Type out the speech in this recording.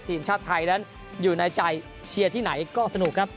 ทีมชาติไทยนั้นอยู่ในใจเชียร์ที่ไหนก็สนุกครับ